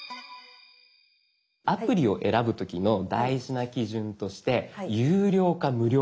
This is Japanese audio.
アプリを選ぶ時の大事な基準として有料か無料か。